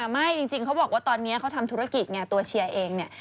ไม่จริงเขาบอกว่าตอนนี้เขาทำธุรกิจไงตัวเชียร์เองเนี่ย